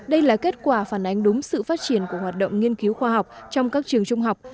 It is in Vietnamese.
đây là kết quả phản ánh đúng sự phát triển của hoạt động nghiên cứu khoa học trong các trường trung học